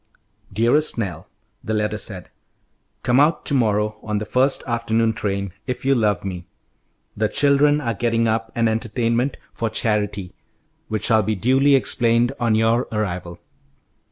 "Dearest Nell," the letter said, "come out to morrow on the first afternoon train, if you love me. The children are getting up an entertainment for charity, which shall be duly explained on your arrival.